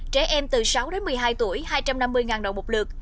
trẻ em từ sáu đến một mươi hai tuổi hai trăm năm mươi đồng một lượt